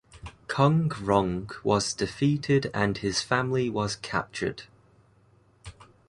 Kong Rong was defeated and his family was captured.